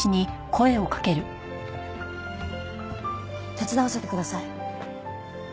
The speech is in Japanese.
手伝わせてください。